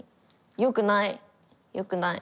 良くない良くない。